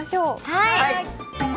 はい！